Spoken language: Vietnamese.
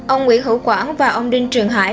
ông nguyễn hữu quảng và ông đinh trường hải